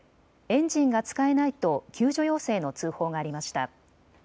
エンジンが使えないと救助要請の通報がありました。